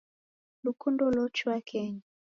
Lukundo lochua kenya.